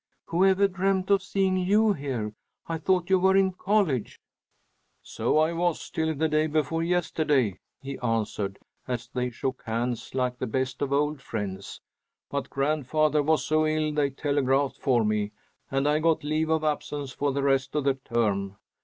Who ever dreamed of seeing you here? I thought you were in college?" "So I was till day before yesterday," he answered, as they shook hands like the best of old friends. "But grandfather was so ill they telegraphed for me, and I got leave of absence for the rest of the term.